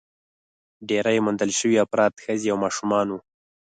ډېری موندل شوي افراد ښځې او ماشومان وو.